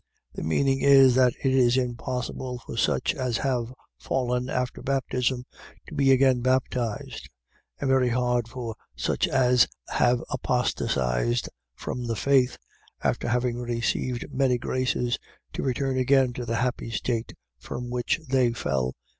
.The meaning is, that it is impossible for such as have fallen after baptism, to be again baptized; and very hard for such as have apostatized from the faith, after having received many graces, to return again to the happy state from which they fell.